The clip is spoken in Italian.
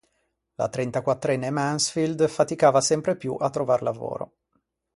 La trentaquattrenne Mansfield faticava sempre più a trovar lavoro.